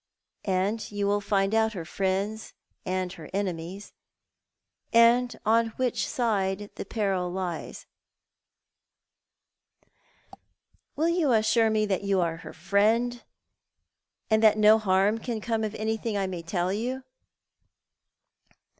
You will find out her friends and her enemies, and on which side the peril lies "" "Will you assure me that you are her friend, and that no harm to her can come of anything I may tell you